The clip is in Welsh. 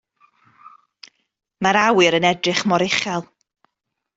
Mae'r awyr yn edrych mor uchel.